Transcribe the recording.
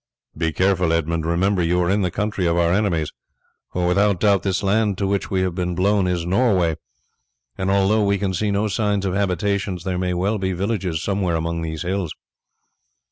"Be careful, Edmund; remember you are in the country of our enemies, for without doubt this land to which we have been blown is Norway; and although we can see no signs of habitations there may well be villages somewhere among these hills."